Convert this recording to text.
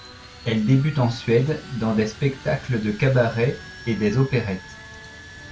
Elle débute en Suède dans des spectacles de cabaret et des opérettes.